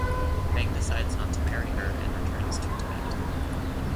Fang decides not to marry her and returns to Tibet.